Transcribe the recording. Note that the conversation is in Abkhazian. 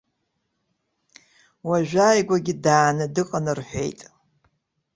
Уажәааигәагьы дааны дыҟан рҳәеит.